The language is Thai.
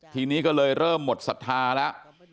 ทีนี้ก็เลยเริ่มหมดศรัทธาแล้ว